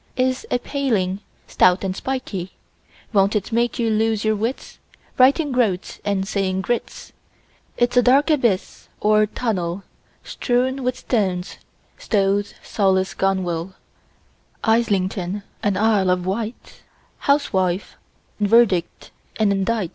— Is a paling, stout and spikey; Won't it make you lose your wits, Writing "groats" and saying groats? It's a dark abyss or tunnel, Strewn with stones, like rowlock, gunwale, Islington and Isle of Wight, Housewife, verdict and indict!